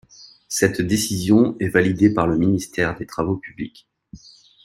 Cette décision est validée le par le ministre des travaux publics.